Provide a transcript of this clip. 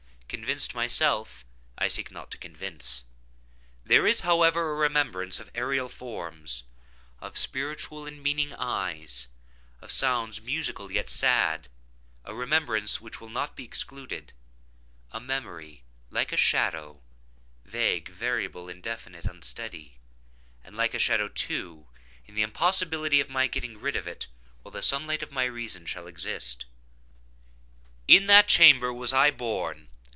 Convinced myself, I seek not to convince. There is, however, a remembrance of aerial forms—of spiritual and meaning eyes—of sounds, musical yet sad—a remembrance which will not be excluded; a memory like a shadow—vague, variable, indefinite, unsteady; and like a shadow, too, in the impossibility of my getting rid of it while the sunlight of my reason shall exist. In that chamber was I born.